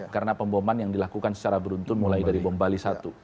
karena pemboman yang dilakukan secara beruntung mulai dari bom bali satu